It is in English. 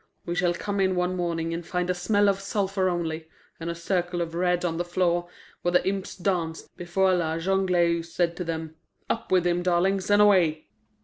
We shall come in one morning and find a smell of sulphur only, and a circle of red on the floor where the imps danced before La Jongleuse said to them, 'Up with him, darlings, and away!